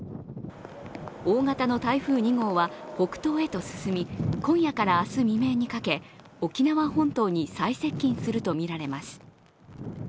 大型の台風２号は北東へと進み、今夜から明日未明にかけ沖縄本島に最接近するとみられます。